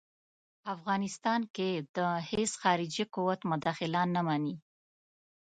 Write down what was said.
افغانستان کې د هیڅ خارجي قوت مداخله نه مني.